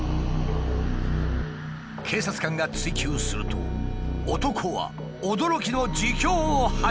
警察官が追及すると男は驚きの自供を始めた！